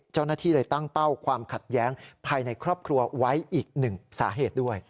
เจ้าหน้าที่เลยตั้งเป้าความขัดแย้งภายในครอบครัวไว้อีกหนึ่งสาเหตุด้วย